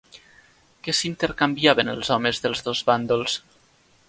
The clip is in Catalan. Què s'intercanviaven els homes dels dos bàndols?